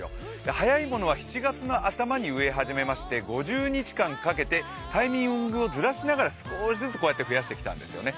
早いものは、７月頭に植え始めまして５０日間かけましてタイミングをずらしながら少しずつこうやって増やしてきたんですよね。